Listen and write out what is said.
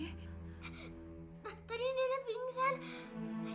tadi nenek pingsan